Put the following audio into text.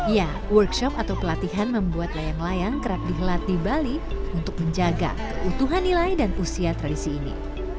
ya workshop atau pelatihan membuat layang layang kerap dihelat di bali untuk menjaga keutuhan nilai dan usia tradisi ini